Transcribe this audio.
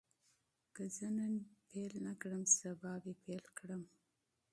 که زه نن پیل نه کړم، سبا به پیل کړم.